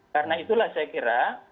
karena itulah saya kira